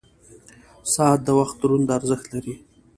• ساعت د وخت دروند ارزښت لري.